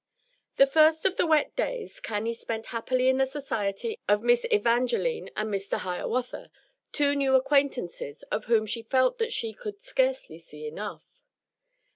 The first of the wet days Cannie spent happily in the society of Miss Evangeline and Mr. Hiawatha, two new acquaintances of whom she felt that she could scarcely see enough.